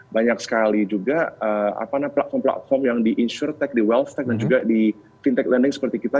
banyak sekali juga platform platform yang di insurteg di well steck dan juga di fintech lending seperti kita